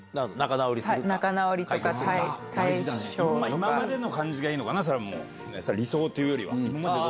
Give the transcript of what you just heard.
今までの感じがいいのかな理想というよりは。